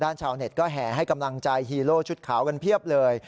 ชาวเน็ตก็แห่ให้กำลังใจฮีโร่ชุดขาวกันเพียบเลย